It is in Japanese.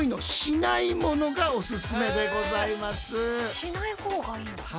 しない方がいいんだ。